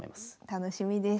楽しみです。